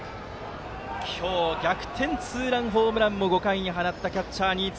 今日逆転ツーランホームランも５回に放ったキャッチャーの新妻。